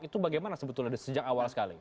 itu bagaimana sebetulnya sejak awal sekali